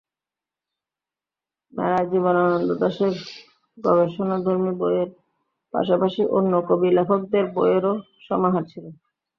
মেলায় জীবনানন্দ দাশের গবেষণামর্ধী বইয়ের পাশাপাশি অন্য কবি-লেখকদের বইয়েরও সমাহার ছিল।